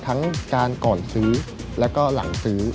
ทั้งการก่อนซื้อแล้วก็หลังซื้อ